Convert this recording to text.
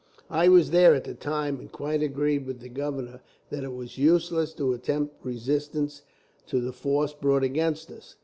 "I was there at the time, and quite agreed with the governor that it was useless to attempt resistance to the force brought against us.